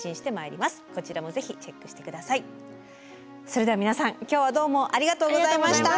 それでは皆さん今日はどうもありがとうございました。